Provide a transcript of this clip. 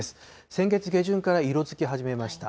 先月下旬から色づき始めました。